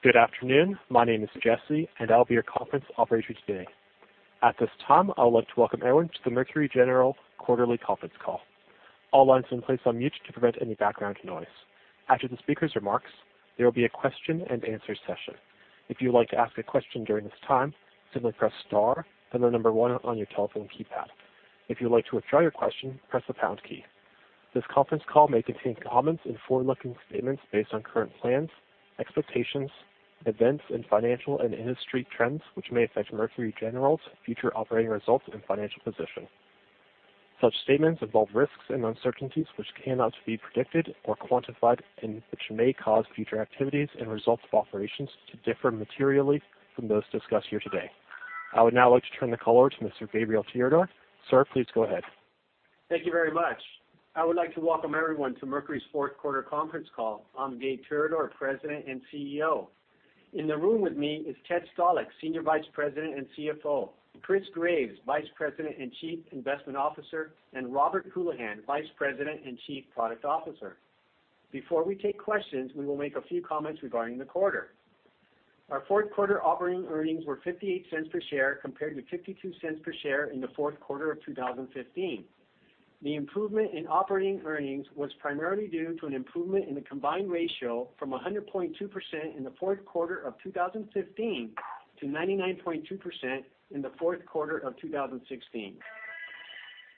Good afternoon. My name is Jesse, and I'll be your conference operator today. At this time, I would like to welcome everyone to the Mercury General quarterly conference call. All lines have been placed on mute to prevent any background noise. After the speaker's remarks, there will be a question and answer session. If you would like to ask a question during this time, simply press star, then the number 1 on your telephone keypad. If you would like to withdraw your question, press the pound key. This conference call may contain comments and forward-looking statements based on current plans, expectations, events, and financial and industry trends which may affect Mercury General's future operating results and financial position. Such statements involve risks and uncertainties which cannot be predicted or quantified and which may cause future activities and results of operations to differ materially from those discussed here today. I would now like to turn the call over to Mr. Gabriel Tirador. Sir, please go ahead. Thank you very much. I would like to welcome everyone to Mercury's fourth quarter conference call. I'm Gabe Tirador, President and CEO. In the room with me is Ted Stalick, Senior Vice President and CFO, Chris Graves, Vice President and Chief Investment Officer, and Robert Houlihan, Vice President and Chief Product Officer. Before we take questions, we will make a few comments regarding the quarter. Our fourth quarter operating earnings were $0.58 per share compared to $0.52 per share in the fourth quarter of 2015. The improvement in operating earnings was primarily due to an improvement in the combined ratio from 100.2% in the fourth quarter of 2015 to 99.2% in the fourth quarter of 2016.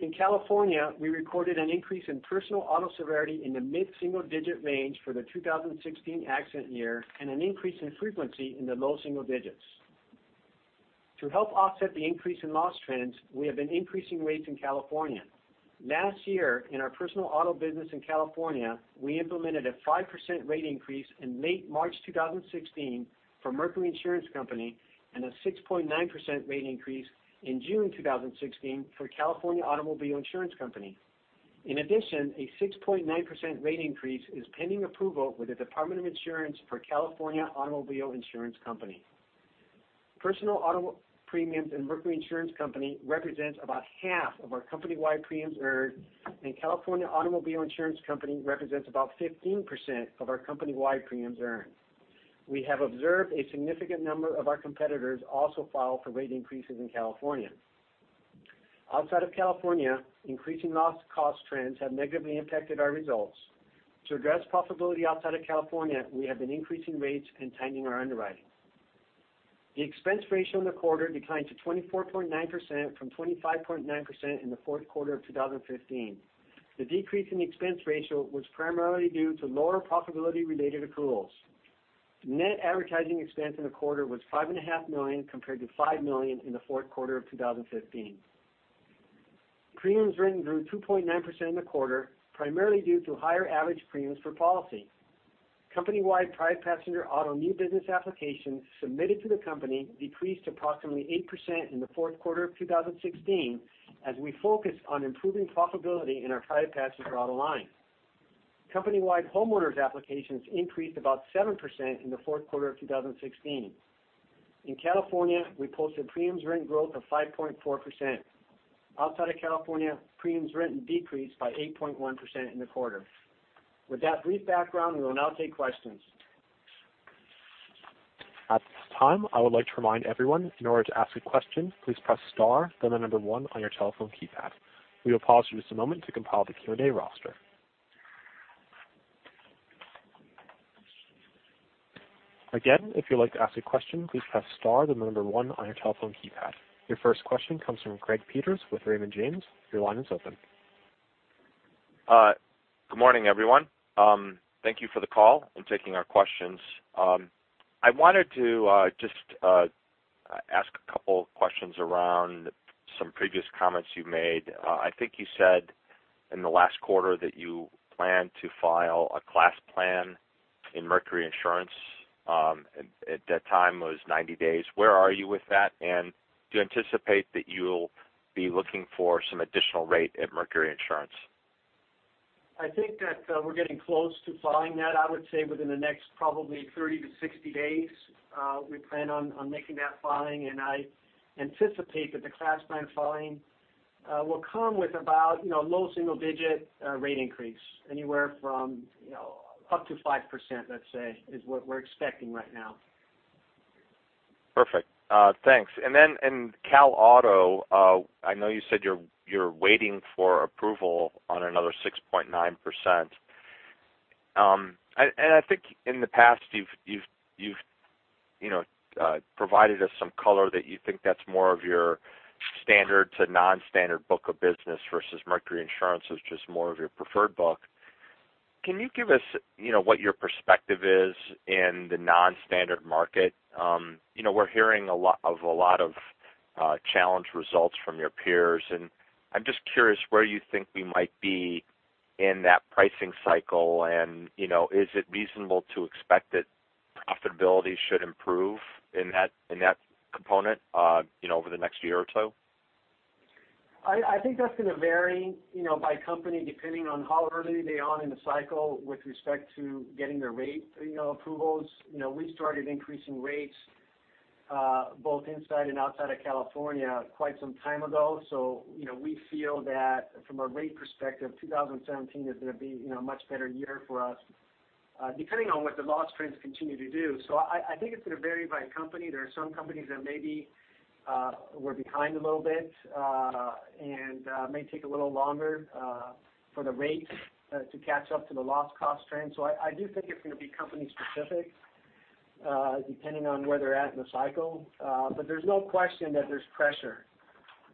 In California, we recorded an increase in personal auto severity in the mid-single-digit range for the 2016 accident year and an increase in frequency in the low single digits. To help offset the increase in loss trends, we have been increasing rates in California. Last year, in our personal auto business in California, we implemented a 5% rate increase in late March 2016 for Mercury Insurance Company and a 6.9% rate increase in June 2016 for California Automobile Insurance Company. In addition, a 6.9% rate increase is pending approval with the Department of Insurance for California Automobile Insurance Company. Personal auto premiums in Mercury Insurance Company represents about half of our company-wide premiums earned, and California Automobile Insurance Company represents about 15% of our company-wide premiums earned. We have observed a significant number of our competitors also file for rate increases in California. Outside of California, increasing loss cost trends have negatively impacted our results. To address profitability outside of California, we have been increasing rates and tightening our underwriting. The expense ratio in the quarter declined to 24.9% from 25.9% in the fourth quarter of 2015. The decrease in the expense ratio was primarily due to lower profitability-related accruals. Net advertising expense in the quarter was $5.5 million compared to $5 million in the fourth quarter of 2015. Premiums written grew 2.9% in the quarter, primarily due to higher average premiums per policy. Company-wide private passenger auto new business applications submitted to the company decreased approximately 8% in the fourth quarter of 2016 as we focused on improving profitability in our private passenger auto line. Company-wide homeowners applications increased about 7% in the fourth quarter of 2016. In California, we posted premiums written growth of 5.4%. Outside of California, premiums written decreased by 8.1% in the quarter. With that brief background, we will now take questions. At this time, I would like to remind everyone, in order to ask a question, please press star, then the number one on your telephone keypad. We will pause for just a moment to compile the Q&A roster. Again, if you'd like to ask a question, please press star, then the number one on your telephone keypad. Your first question comes from Greg Peters with Raymond James. Your line is open. Good morning, everyone. Thank you for the call and taking our questions. I wanted to just ask a couple of questions around some previous comments you made. I think you said in the last quarter that you plan to file a class plan in Mercury Insurance. At that time, it was 90 days. Where are you with that? Do you anticipate that you'll be looking for some additional rate at Mercury Insurance? I think that we're getting close to filing that. I would say within the next probably 30 to 60 days, we plan on making that filing. I anticipate that the class plan filing will come with about low single-digit rate increase, anywhere from up to 5%, let's say, is what we're expecting right now. Perfect. Thanks. In Cal Auto, I know you said you're waiting for approval on another 6.9%. I think in the past you've provided us some color that you think that's more of your standard to non-standard book of business versus Mercury Insurance is just more of your preferred book. Can you give us what your perspective is in the non-standard market? We're hearing of a lot of challenge results from your peers, and I'm just curious where you think we might be in that pricing cycle, and is it reasonable to expect that profitability should improve in that component over the next year or two? I think that's going to vary by company, depending on how early they are in the cycle with respect to getting their rate approvals. We started increasing rates both inside and outside of California quite some time ago. We feel that from a rate perspective, 2017 is going to be much better year for us, depending on what the loss trends continue to do. I think it's going to vary by company. There are some companies that maybe were behind a little bit, and may take a little longer for the rate to catch up to the loss cost trend. I do think it's going to be company specific, depending on where they're at in the cycle. There's no question that there's pressure.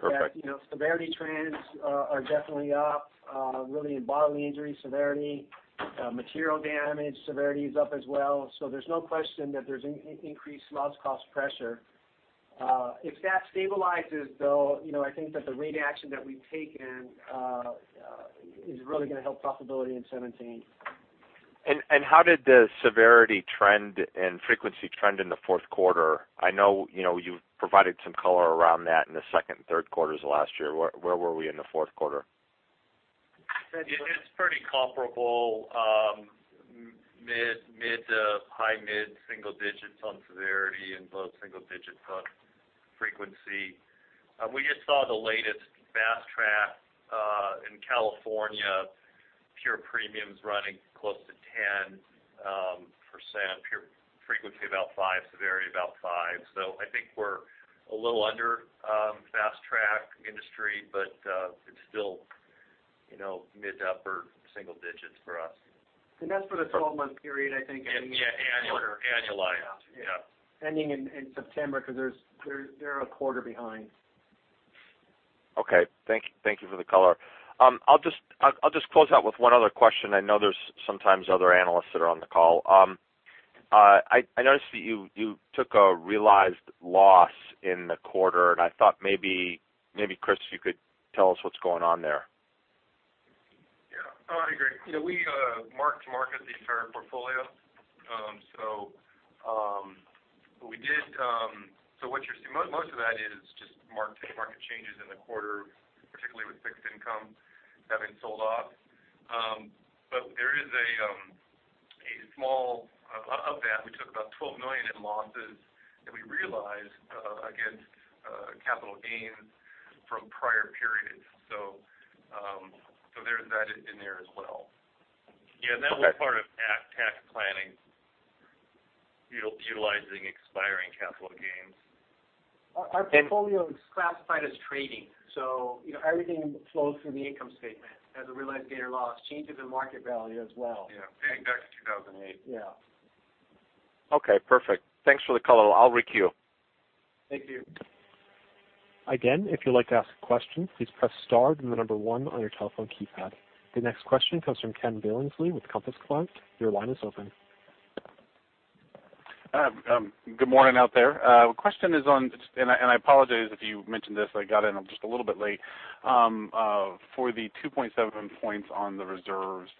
Perfect. Severity trends are definitely up, really in bodily injury severity. Material damage severity is up as well. There's no question that there's increased loss cost pressure. If that stabilizes, though, I think that the rate action that we've taken is really going to help profitability in 2017. How did the severity trend and frequency trend in the fourth quarter? I know you've provided some color around that in the second and third quarters of last year. Where were we in the fourth quarter? It's pretty comparable. Mid to high mid single digits on severity and low single digits on frequency. We just saw the latest Fast Track in California, pure premium running close to 10%, pure frequency about five, severity about five. I think we're a little under Fast Track industry, but it's still mid to upper single digits for us. That's for the 12-month period, I think. Yeah, annualized. Ending in September because they're a quarter behind. Okay. Thank you for the color. I'll just close out with one other question. I know there's sometimes other analysts that are on the call. I noticed that you took a realized loss in the quarter. I thought maybe, Chris, you could tell us what's going on there. Yeah. I agree. We mark-to-market the entire portfolio. Most of that is just market changes in the quarter, particularly with fixed income having sold off. Of that, we took about $12 million in losses that we realized against capital gains from prior periods. There's that in there as well. Yeah. That was part of tax planning, utilizing expiring capital gains. Our portfolio is classified as trading. Everything flows through the income statement as a realized gain or loss. Changes in market value as well. Yeah. Dating back to 2008. Yeah. Okay, perfect. Thanks for the color. I'll requeue. Thank you. Again, if you'd like to ask a question, please press star then the number 1 on your telephone keypad. The next question comes from Ken Billingsley with Compass Point. Your line is open. Good morning out there. Question is on. I apologize if you mentioned this, I got in just a little bit late. For the 2.7 points on the reserves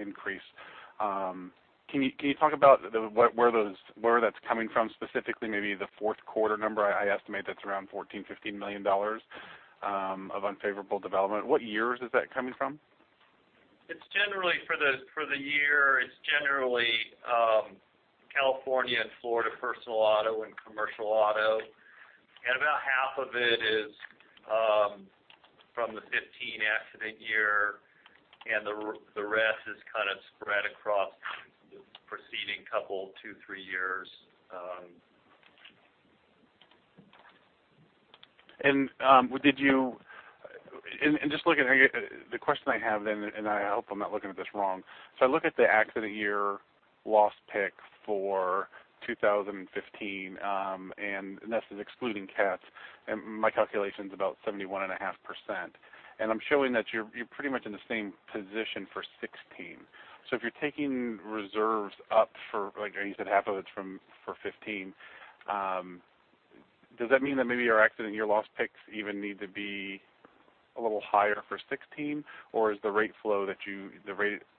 increase, can you talk about where that's coming from specifically, maybe the fourth quarter number? I estimate that's around $14 million-$15 million of unfavorable development. What years is that coming from? For the year, it's generally California and Florida personal auto and commercial auto. About half of it is from the 2015 accident year, and the rest is kind of spread across the preceding couple two, three years. The question I have then. I hope I'm not looking at this wrong. I look at the accident year loss pick for 2015, this is excluding CATs, my calculation's about 71.5%. I'm showing that you're pretty much in the same position for 2016. If you're taking reserves up for, you said half of it's for 2015. Does that mean that maybe your accident year loss picks even need to be a little higher for 2016? Is the rate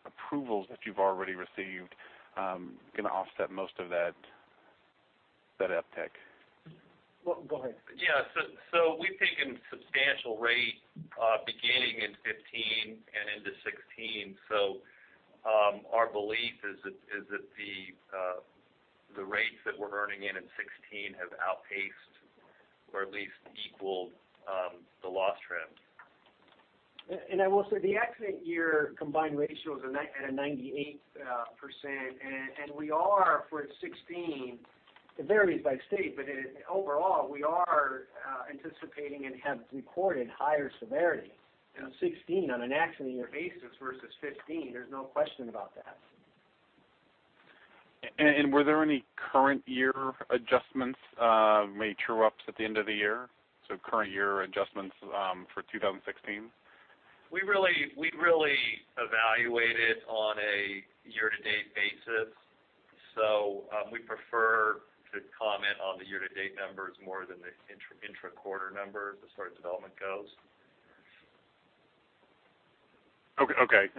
approvals that you've already received going to offset most of that uptick? Go ahead. Yeah. We've taken substantial rate beginning in 2015 and into 2016. Our belief is that the rates that we're earning in in 2016 have outpaced or at least equaled the loss trend. I will say the accident year combined ratio is at a 98%, and we are for 2016, it varies by state, but overall, we are anticipating and have recorded higher severity in 2016 on an accident year basis versus 2015. There's no question about that. Were there any current year adjustments made true ups at the end of the year? Current year adjustments for 2016? We really evaluate it on a year-to-date basis. We prefer to comment on the year-to-date numbers more than the intra-quarter numbers as far as development goes. Okay.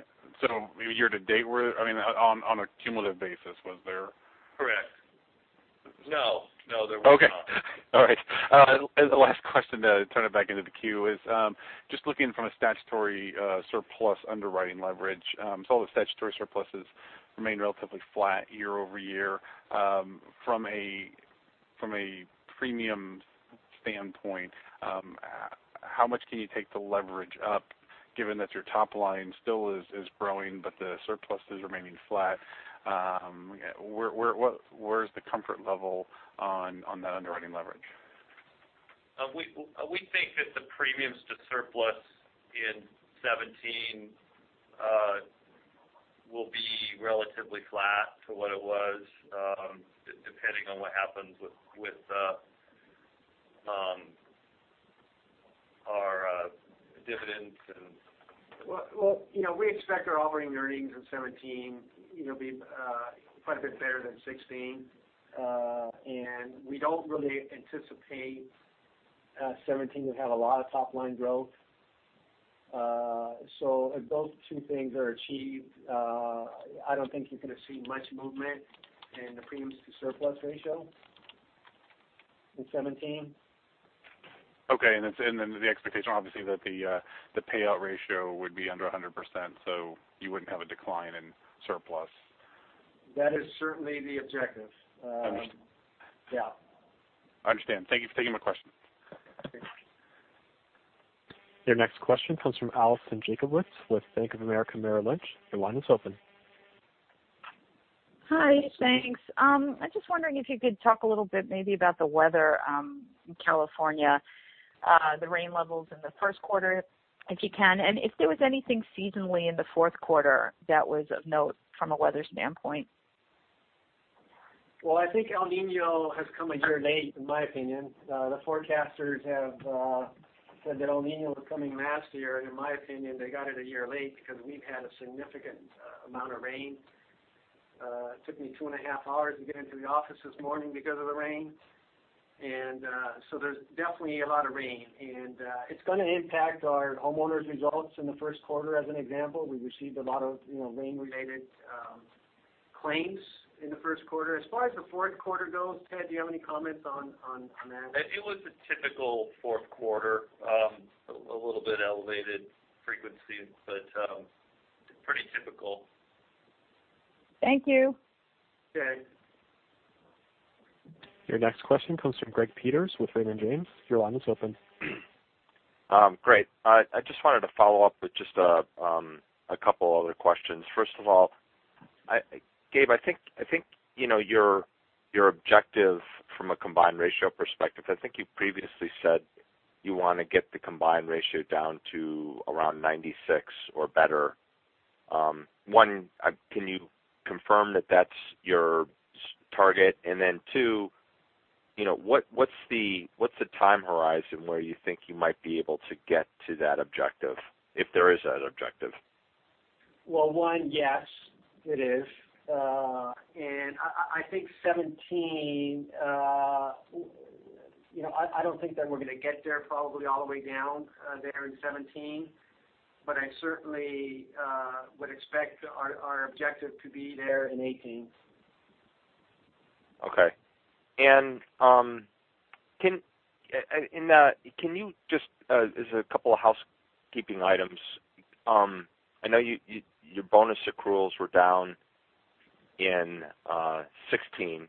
maybe year-to-date, on a cumulative basis, was there? Correct. No, there was not. The last question to turn it back into the queue is just looking from a statutory surplus underwriting leverage. All the statutory surpluses remain relatively flat year-over-year. From a premium standpoint, how much can you take the leverage up given that your top line still is growing, but the surplus is remaining flat? Where's the comfort level on that underwriting leverage? We think that the premiums to surplus in 2017 will be relatively flat to what it was, depending on what happens with our dividends. We expect our operating earnings in 2017 be quite a bit better than 2016. We don't really anticipate 2017 to have a lot of top-line growth. If those two things are achieved, I don't think you're going to see much movement in the premiums to surplus ratio in 2017. Okay. The expectation, obviously, that the payout ratio would be under 100%, so you wouldn't have a decline in surplus. That is certainly the objective. Understood. Yeah. I understand. Thank you for taking my question. Your next question comes from Alison Jacobowitz with Bank of America Merrill Lynch. Your line is open. Hi, thanks. I'm just wondering if you could talk a little bit maybe about the weather in California, the rain levels in the first quarter, if you can, and if there was anything seasonally in the fourth quarter that was of note from a weather standpoint. Well, I think El Niño has come a year late, in my opinion. The forecasters have said that El Niño was coming last year, and in my opinion, they got it a year late because we've had a significant amount of rain. It took me two and a half hours to get into the office this morning because of the rain. There's definitely a lot of rain. It's going to impact our homeowners' results in the first quarter, as an example. We received a lot of rain-related claims in the first quarter. As far as the fourth quarter goes, Ted, do you have any comments on that? It was a typical fourth quarter. A little bit elevated frequency, but pretty typical. Thank you. Okay. Your next question comes from Greg Peters with Raymond James. Your line is open. Great. I just wanted to follow up with just a couple other questions. First of all, Gabe, I think your objective from a combined ratio perspective, I think you previously said you want to get the combined ratio down to around 96 or better. One, can you confirm that that's your target? Then two, what's the time horizon where you think you might be able to get to that objective, if there is that objective? Well, one, yes, it is. I think 2017, I don't think that we're going to get there probably all the way down there in 2017. I certainly would expect our objective to be there in 2018. Okay. As a couple of housekeeping items, I know your bonus accruals were down in 2016.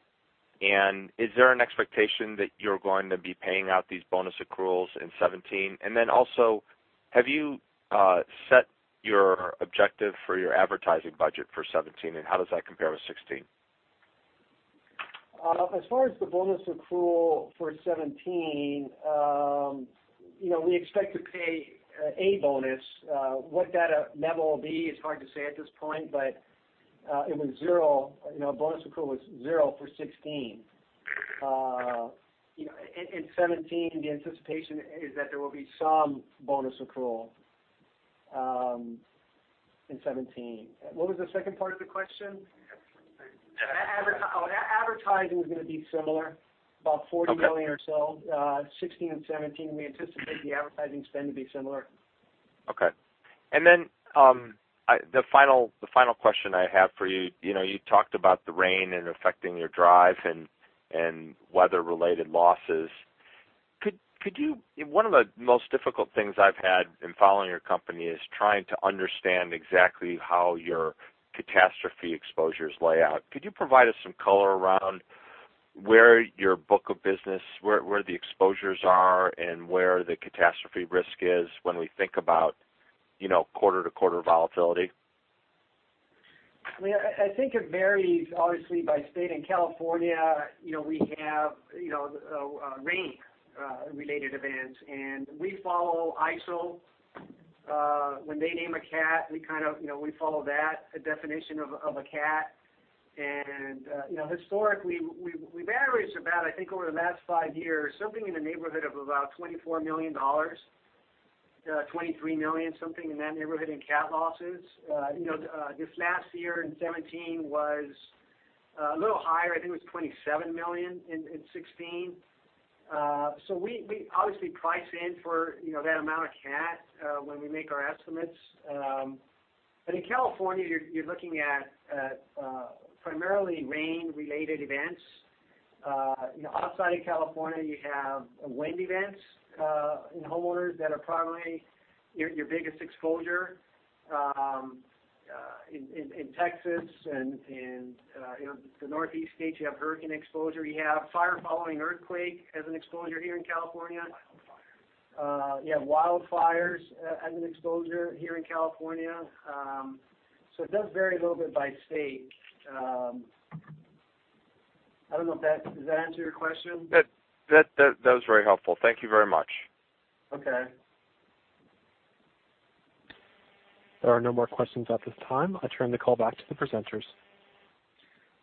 Is there an expectation that you're going to be paying out these bonus accruals in 2017? Have you set your objective for your advertising budget for 2017, and how does that compare with 2016? As far as the bonus accrual for 2017, we expect to pay a bonus. What that net will be is hard to say at this point, but it was zero. Bonus accrual was zero for 2016. In 2017, the anticipation is that there will be some bonus accrual in 2017. What was the second part of the question? Advertising is going to be similar, about $40 million or so, 2016 and 2017. We anticipate the advertising spend to be similar. Okay. The final question I have for you. You talked about the rain and affecting your drive and weather-related losses. One of the most difficult things I've had in following your company is trying to understand exactly how your catastrophe exposures lay out. Could you provide us some color around where your book of business, where the exposures are, and where the catastrophe risk is when we think about quarter-to-quarter volatility? I think it varies, obviously, by state. In California, we have rain-related events. We follow ISO. When they name a cat, we follow that definition of a cat. Historically, we've averaged about, I think over the last five years, something in the neighborhood of about $24 million, $23 million, something in that neighborhood in cat losses. This last year in 2017 was a little higher. I think it was $27 million in 2016. We obviously price in for that amount of cat when we make our estimates. In California, you're looking at primarily rain-related events. Outside of California, you have wind events in homeowners that are probably your biggest exposure. In Texas and the Northeast states, you have hurricane exposure. You have fire following earthquake as an exposure here in California. Wildfire. You have wildfires as an exposure here in California. It does vary a little bit by state. I don't know if that answered your question. That was very helpful. Thank you very much. Okay. There are no more questions at this time. I turn the call back to the presenters.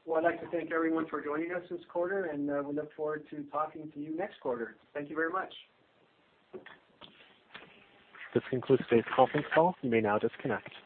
Well, I'd like to thank everyone for joining us this quarter, and we look forward to talking to you next quarter. Thank you very much. This concludes today's conference call. You may now disconnect.